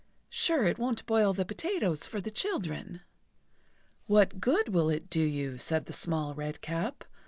Sure, it won't boil the potatoes for the children!" "What good will it do you?" said the Little Redcap.